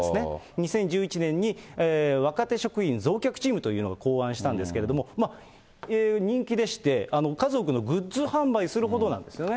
２０１１年に若手職員増客チームというのが考案したんですけれども、人気でして、数多くのグッズ販売するほどなんですね。